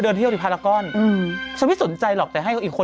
สีก็จบแล้ว